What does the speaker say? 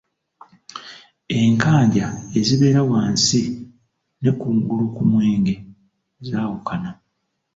Enkanja ezibeera wansi ne kungulu ku mwenge zaawukana.